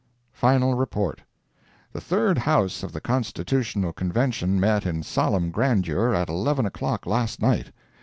FINAL REPORT The Third House of the Constitutional Convention met in solemn grandeur, at 1l o'clock last night.